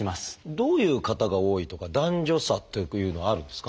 どういう方が多いとか男女差というのはあるんですか？